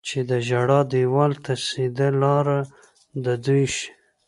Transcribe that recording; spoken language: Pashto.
چې د ژړا دېوال ته سیده لاره د دوی شي.